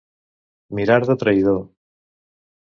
Mirar de traïdor.